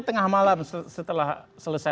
tengah malam setelah selesai